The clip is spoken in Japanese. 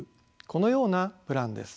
このようなプランです。